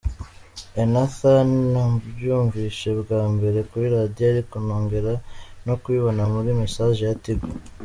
Enatha: “Nabyumvise bwa mbere kuri Radio ariko nongera no kubibona muri message ya Tigo.